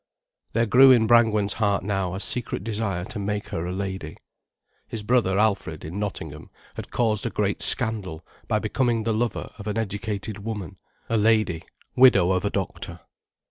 There grew in Brangwen's heart now a secret desire to make her a lady. His brother Alfred, in Nottingham, had caused a great scandal by becoming the lover of an educated woman, a lady, widow of a doctor.